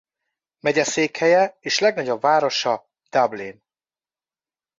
Megyeszékhelye és legnagyobb városa Dublin.